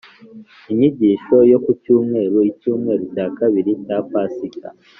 inyigisho yo ku cyumweru, icyumweru cya kabiri cya pasika